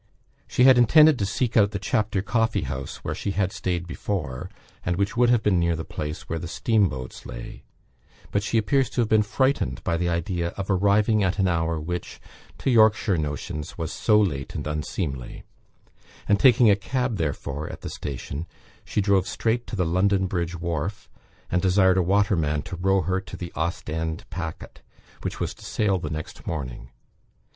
She had intended to seek out the Chapter Coffee house, where she had stayed before, and which would have been near the place where the steam boats lay; but she appears to have been frightened by the idea of arriving at an hour which, to Yorkshire notions, was so late and unseemly; and taking a cab, therefore, at the station, she drove straight to the London Bridge Wharf, and desired a waterman to row her to the Ostend packet, which was to sail the next morning.